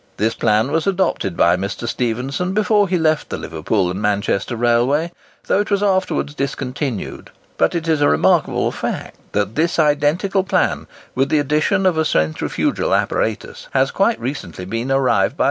This plan was adopted by Mr. Stephenson before he left the Liverpool and Manchester Railway, though it was afterwards discontinued; but it is a remarkable fact, that this identical plan, with the addition of a centrifugal apparatus, has quite recently been revived by M.